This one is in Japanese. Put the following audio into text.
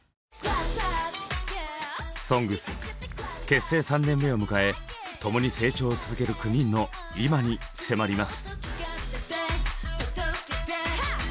「ＳＯＮＧＳ」結成３年目を迎え共に成長を続ける９人のいまに迫ります。